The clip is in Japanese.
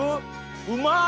うまい！